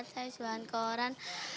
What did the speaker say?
saya penjual koran